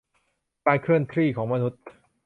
การเคลื่อนที่ของมนุษย์